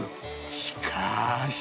しかし。